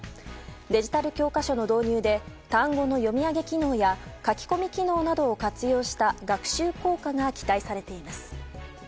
デジタル教科書の導入で単語の読み上げ機能や書き込み機能などを活用した学習効果が期待されています。